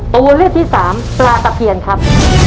ตัวเลือกที่สามปลาตะเพียนครับ